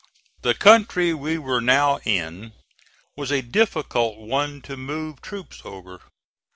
The country we were now in was a difficult one to move troops over.